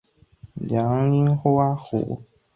阳虎花花介为细花介科花花介属下的一个种。